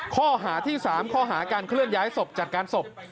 ข้อหาที่๓ข้อหาการเคลื่อนย้ายศพจัดการศพ